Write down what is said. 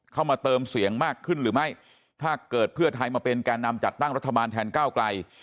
เข้ามาเติมเสียงมากขึ้นหรือไม่ถ้าเกิดเพื่อไทยมาเป็นแก่นำจัดตั้งรัฐบาลแทนก้าวไกล